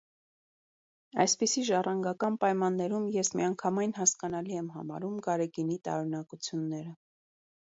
Այսպիսի ժառանգական պայմաններում ես միանգամայն հասկանալի եմ համարում Գարեգինի տարօրինակությունները.